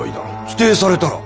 否定されたら？